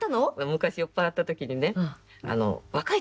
昔酔っ払った時にね若い時よ？